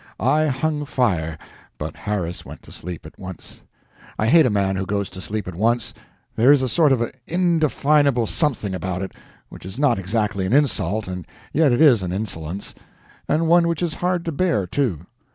I hung fire, but Harris went to sleep at once. I hate a man who goes to sleep at once; there is a sort of indefinable something about it which is not exactly an insult, and yet is an insolence; and one which is hard to bear, too.